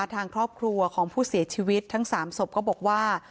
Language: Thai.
ทางครอบครัวของผู้เสียชีวิตทั้ง๓ศพก็บอกว่า